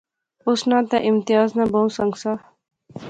اس ناں تہ امتیاز ناں بہوں سنگ سا